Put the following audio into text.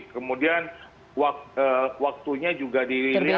kemudian waktunya juga dilihat